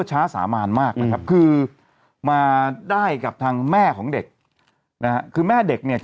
สามานมากนะครับคือมาได้กับทางแม่ของเด็กนะฮะคือแม่เด็กเนี่ย